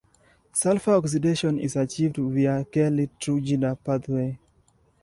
Sulfur oxidation is achieved via the Kelly-Trudinger pathway.